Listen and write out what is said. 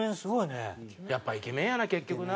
やっぱイケメンやな結局な。